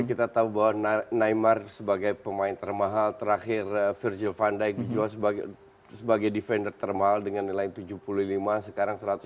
kita tahu bahwa neymar sebagai pemain termahal terakhir virgil van dij dijual sebagai defender termahal dengan nilai tujuh puluh lima sekarang satu ratus lima puluh